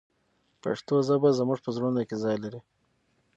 پښتو ژبه زموږ په زړونو کې ځای لري.